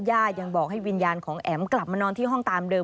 ยังบอกให้วิญญาณของแอ๋มกลับมานอนที่ห้องตามเดิ